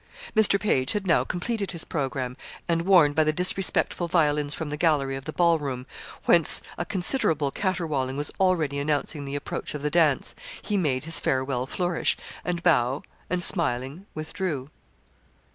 Mr. Page had now completed his programme, and warned by the disrespectful violins from the gallery of the ball room, whence a considerable caterwauling was already announcing the approach of the dance, he made his farewell flourish, and bow and, smiling, withdrew.